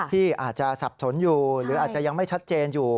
ที่อาจจะสับสนอยู่หรืออาจจะยังไม่ชัดเจนอยู่